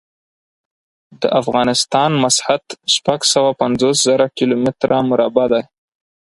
د افغانستان مسحت شپږ سوه پنځوس زره کیلو متره مربع دی.